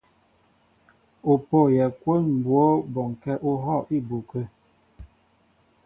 Ó pôyɛ kwón mbwǒ bɔŋkɛ̄ ú hɔ̂ á ibu kə̂.